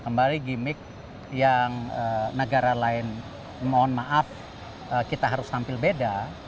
kembali gimmick yang negara lain mohon maaf kita harus tampil beda